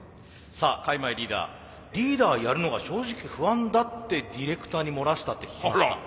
さあ開米リーダーリーダーやるのが正直不安だってディレクターに漏らしたって聞きました。